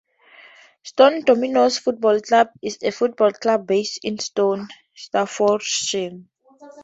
Stone Dominoes Football Club is a football club based in Stone, Staffordshire.